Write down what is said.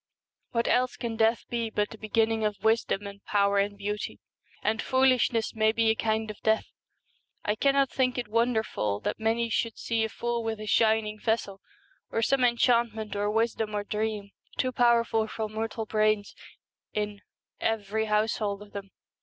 What else can death be but the begin ning of wisdom and power and beauty ? and foolishness may be a kind of death. I cannot think it wonderful that many should see a fool with a shining vessel of some enchantment or wisdom or dream too powerful for mortal brains in ' every household of them.'